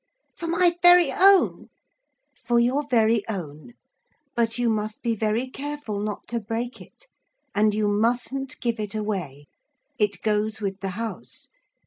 'For my very own?' 'For your very own. But you must be very careful not to break it. And you mustn't give it away. It goes with the house.